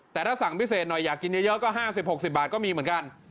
แต่ถ้าสั่งพิเศษหน่อยอยากกินเยอะก็๕๐๖๐บาทก็มีเหมือนกัน